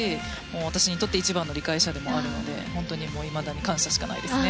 私にとって一番の理解者でもあるので本当にいまだに感謝しかないですね。